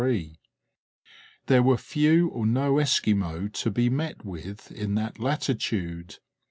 There were few or no Esquimaux to be met with in that latitude.